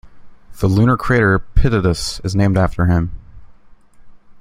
The lunar crater Pitatus is named after him.